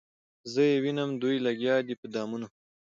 زه یې وینم دوی لګیا دي په دامونو